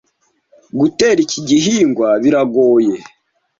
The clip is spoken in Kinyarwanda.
Gutera iki igihingwa biragoye